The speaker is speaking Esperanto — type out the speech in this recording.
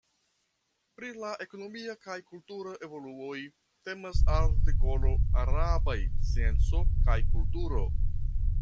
Pri la ekonomia kaj kultura evoluoj temas artikolo arabaj scienco kaj kulturo.